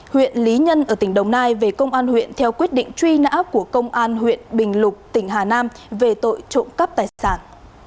huyện lý nhân ở tỉnh đồng nai về công an huyện theo quyết định truy nã của công an huyện bình lục tỉnh hà nam về tội trộm cắp tài sản